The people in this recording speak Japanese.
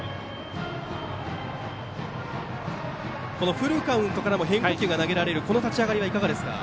フルカウントからも変化球が投げられるこの立ち上がりはいかがですか？